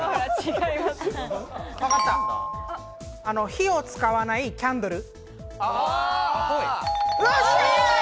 火を使わないキャンドル。